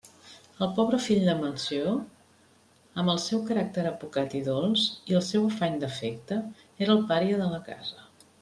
El pobre fill de Melcior, amb el seu caràcter apocat i dolç i el seu afany d'afecte, era el pària de la casa.